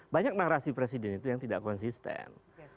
banyak narasi presiden itu yang tidak konsisten